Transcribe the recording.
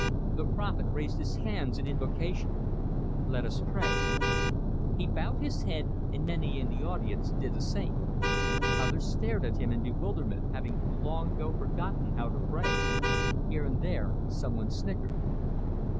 The prophet raised his hands in invocation: "Let us pray!" He bowed his head, and many in the audience did the same. Others stared at him in bewilderment, having long ago forgotten how to pray. Here and there some one snickered.